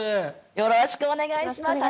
よろしくお願いします。